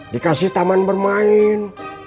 dikasih taman bermain